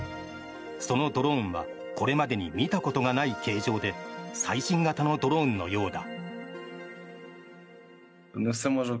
そのドローンはこれまでに見たことがない形状で最新型のドローンのようだ。